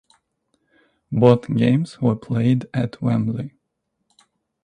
Both games were played at Wembley.